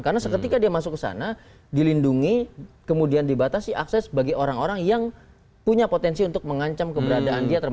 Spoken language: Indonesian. karena seketika dia masuk ke sana dilindungi kemudian dibatasi akses bagi orang orang yang punya potensi untuk mengancam keberadaan dia termasuk asisnya